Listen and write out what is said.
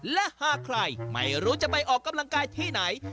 และหากใครไม่รู้จะไปออกกำลังกายที่ไหน